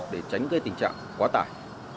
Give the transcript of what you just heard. để tránh gây tình trạng quá tải